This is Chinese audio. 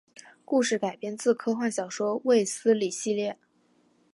故事改编自科幻小说卫斯理系列。